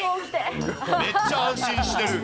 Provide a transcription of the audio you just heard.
めっちゃ安心してる。